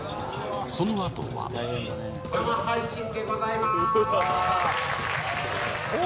そのあとは生配信でございます